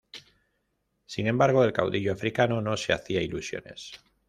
Sin embargo, el caudillo africano no se hacía ilusiones.